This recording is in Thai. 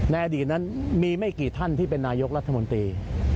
อดีตนั้นมีไม่กี่ท่านที่เป็นนายกรัฐมนตรี